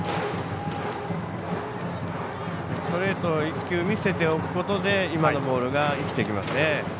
ストレートを１球見せておくことで今のボールが生きてきますね。